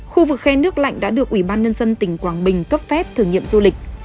khu vực khen nước lạnh đã được ubnd tỉnh quảng bình cấp phép thử nghiệm du lịch